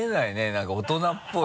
なんか大人っぽい。